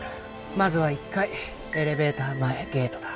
まずは１階エレベーター前ゲートだ